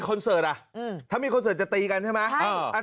คอนเสิร์ตอ่ะอืมถ้ามีคอนเสิร์ตจะตีกันใช่ไหมใช่อ่า